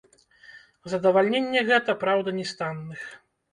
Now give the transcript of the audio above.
Задавальненне гэта, праўда, не з танных.